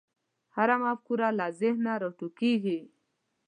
هره مفکوره له ذهنه راټوکېږي.